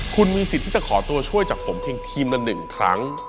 คุณมีสิทธิ์ที่จะขอตัวช่วยจากผมเพียงทีมละ๑ครั้ง